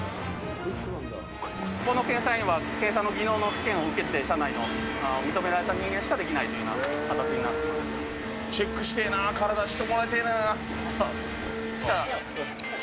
ここの検査員は検査の技能試験を受けて、社内の。認められた人間しかできないというような形チェックしてぇな、体してもらいてぇなぁ。